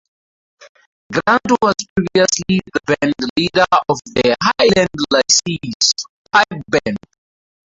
Grant was previously the band leader of "The Highland Lassies" pipe band.